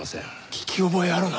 聞き覚えあるな。